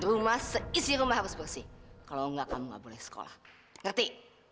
rumah isi rumah harus bersih kalau enggak kamu nggak boleh sekolah ngerti